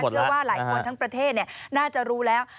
เชื่อว่าหลายคนทั้งประเทศน่าจะรู้แล้ว